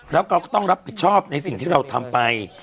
แล้วเราก็ต้องรับผิดชอบในสิ่งที่เราทำไป